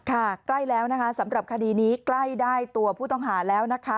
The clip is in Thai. ใกล้แล้วนะคะสำหรับคดีนี้ใกล้ได้ตัวผู้ต้องหาแล้วนะคะ